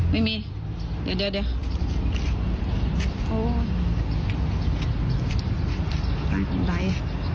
ไม่มีเดี๋ยว